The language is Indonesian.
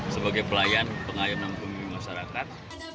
sebagai pelayan pengayunan bumi masyarakat